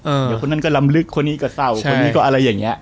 เดี๋ยวคนนั้นก็ลำลึกคนนี้ก็เศร้าคนนี้ก็อะไรอย่างเงี้